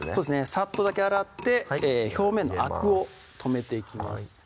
さっとだけ洗って表面のアクを止めていきます